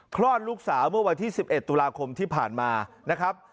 คลอดลูกสาวเมื่อวันที่๑๑ตุลาคมที่ผ่านมานะครับ